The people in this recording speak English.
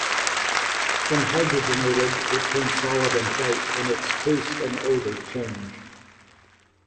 When hydrogenated, it turns solid and white and its taste and odor change.